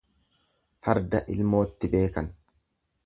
Farda ilmootti beekan.